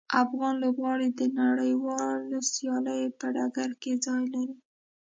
افغان لوبغاړي د نړیوالو سیالیو په ډګر کې ځای لري.